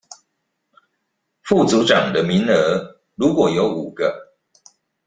副組長的名額如果有五個